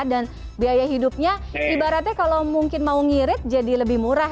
dan biaya hidupnya ibaratnya kalau mungkin mau ngirit jadi lebih murah